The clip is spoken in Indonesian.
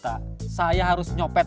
tapi udah apa disini bu